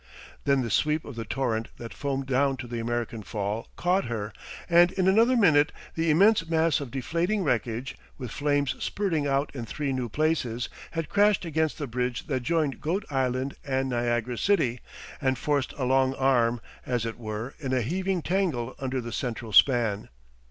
Then the sweep of the torrent that foamed down to the American Fall caught her, and in another minute the immense mass of deflating wreckage, with flames spurting out in three new places, had crashed against the bridge that joined Goat Island and Niagara city, and forced a long arm, as it were, in a heaving tangle under the central span.